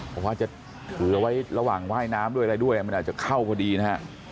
ผมว่าจะถือเอาไว้ระหว่างว่ายน้ำด้วยอะไรด้วยมันอาจจะเข้าพอดีนะฮะ